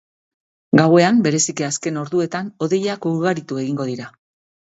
Gauean, bereziki azken orduetan, hodeiak ugaritu egingo dira.